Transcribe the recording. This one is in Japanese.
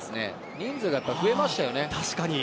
人数が増えましたよね。